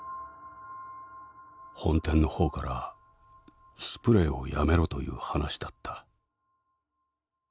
「本店の方からスプレーをやめろという話だった」。